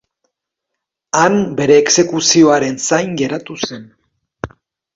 Han bere exekuzioaren zain geratu zen.